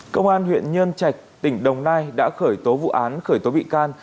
công an huyện nhân trạch tỉnh đồng nai đã khởi tố vụ án khởi tố bị can